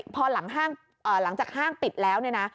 พอหลังห้างเอ่อหลังจากห้างปิดแล้วเนี่ยนะ